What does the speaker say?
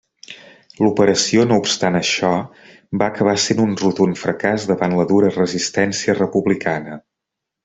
L'operació, no obstant això, va acabar sent un rotund fracàs davant la dura resistència republicana.